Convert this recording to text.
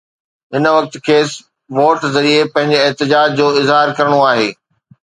هن وقت کيس ووٽ ذريعي پنهنجي احتجاج جو اظهار ڪرڻو آهي.